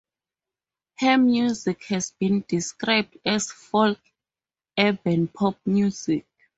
Her music has been described as folk-urban pop music.